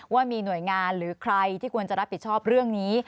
ว่ามีหน่วยงานหรือใครที่ควรจะรับผิดชอบเรื่องนี้